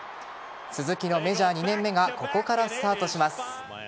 鈴木のメジャー２年目がここからスタートします。